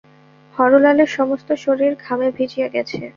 হরলালের সমস্ত শরীর ঘামে ভিজিয়া গেছে।